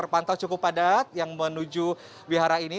padat yang menuju wihara ini